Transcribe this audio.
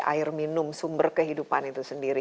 air minum sumber kehidupan itu sendiri